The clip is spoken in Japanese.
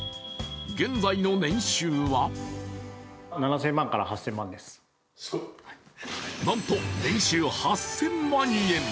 現在の年収はなんと、年収８０００万円。